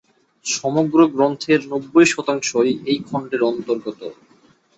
সমগ্র গ্রন্থের নব্বই শতাংশ এই খণ্ডের অন্তর্গত।